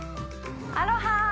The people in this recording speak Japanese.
アロハ！